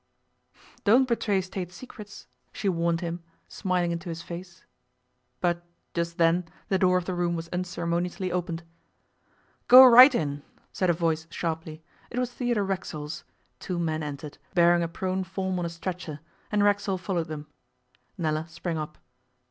'Don't betray State secrets,' she warned him, smiling into his face. But just then the door of the room was unceremoniously opened. 'Go right in,' said a voice sharply. It was Theodore Racksole's. Two men entered, bearing a prone form on a stretcher, and Racksole followed them. Nella sprang up.